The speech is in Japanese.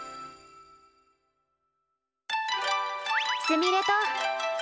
すみれと。